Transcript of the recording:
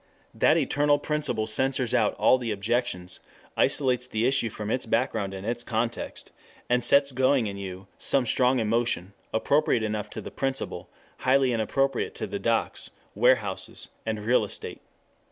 That eternal principle censors out all the objections, isolates the issue from its background and its context, and sets going in you some strong emotion, appropriate enough to the principle, highly inappropriate to the docks, warehouses, and real estate.